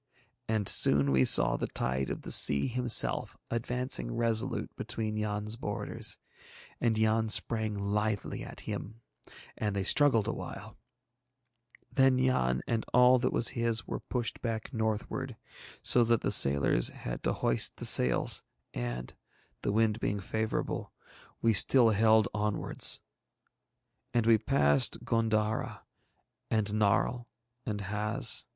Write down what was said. And soon we saw the tide of the Sea himself advancing resolute between Yann's borders, and Yann sprang lithely at him and they struggled awhile; then Yann and all that was his were pushed back northward, so that the sailors had to hoist the sails and, the wind being favourable, we still held onwards. And we passed G├│ndara and Narl and Haz.